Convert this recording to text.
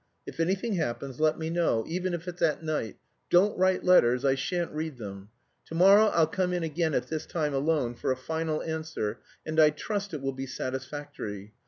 If anything happens let me know, even if it's at night. Don't write letters, I shan't read them. To morrow I'll come again at this time alone, for a final answer, and I trust it will be satisfactory.